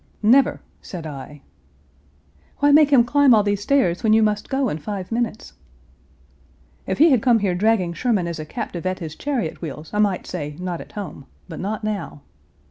"Never!" said I. "Why make him climb all these stairs when you must go in five minutes?" "If he had come here dragging Sherman as a captive at his chariot wheels I might say 'not at home,' but not now."